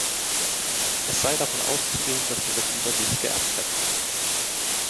Es sei davon auszugehen, dass ihre Kinder dies geerbt hätten.